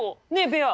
ベア。